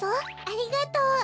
ありがとう。